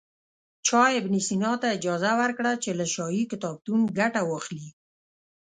چا ابن سینا ته اجازه ورکړه چې له شاهي کتابتون ګټه واخلي.